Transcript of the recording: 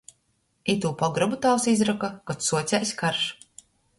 Itū pogrobu tāvs izroka, kod suocēs kars.